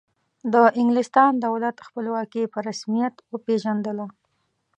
د انګلستان دولت خپلواکي په رسمیت وپیژندله.